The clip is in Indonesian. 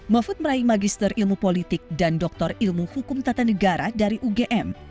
mahfud meraih magister ilmu politik dan doktor ilmu hukum tata negara dari ugm